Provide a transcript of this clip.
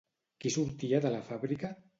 Qui sortia de la fàbrica?